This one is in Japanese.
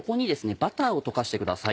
バターを溶かしてください。